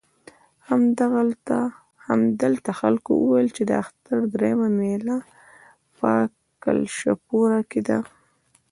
همدلته خلکو وویل چې د اختر درېیمه مېله په کلشپوره کې ده.